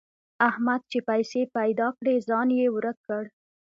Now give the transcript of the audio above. احمد چې پیسې پيدا کړې؛ ځان يې ورک کړ.